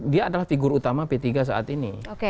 dia adalah figur utama p tiga saat ini